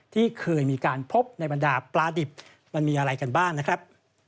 ที่เคยมีการพบในบรรดาปลาดิบมันมีอะไรกันบ้างนะครับ